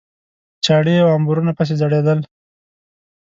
چاړې او امبورونه پسې ځړېدل.